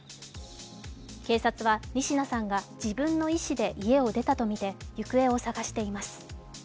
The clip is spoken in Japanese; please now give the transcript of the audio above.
警察は仁科さんが自分の意思で家を出たとみて行方を捜しています。